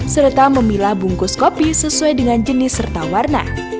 serta memilah bungkus kopi sesuai dengan jenis serta warna